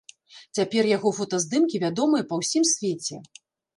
Цяпер яго фотаздымкі вядомыя па ўсім свеце.